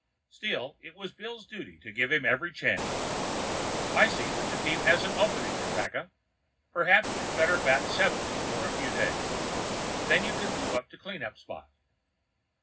Still, it was Bill's duty to give him every chance ... "I'll see what team has an opening, Ratakka. Perhaps you'd better bat seventh for a few days. Then you can move to the clean up spot."